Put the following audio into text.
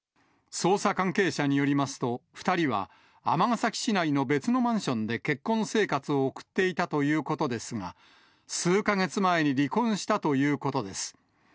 捜査関係者によりますと、２人は尼崎市内の別のマンションで結婚生活を送っていたということですが、数か月前に離婚したということです。